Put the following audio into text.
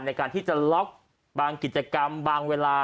ในการที่จะล็อกบางกิจกรรมบางเวลา